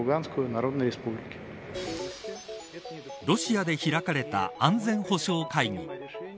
ロシアで開かれた安全保障会議。